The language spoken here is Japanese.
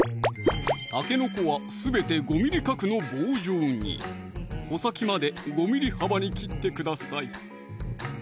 たけのこはすべて５ｍｍ角の棒状に穂先まで５ｍｍ幅に切ってください